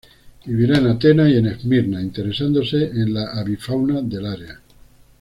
Vivirá en Atenas y en Esmirna, interesándose en la avifauna del área.